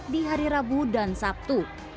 di hari rabu dan sabtu